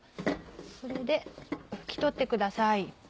それで拭き取ってください。